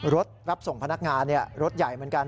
รถรับส่งพนักงานรถใหญ่เหมือนกัน